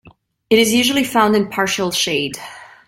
It is usually found in partial shade.